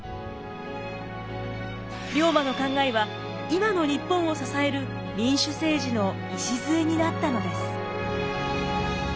龍馬の考えは今の日本を支える民主政治の礎になったのです。